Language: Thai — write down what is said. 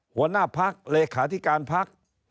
หัวหน้าภักดิ์เลขาธิการภักดิ์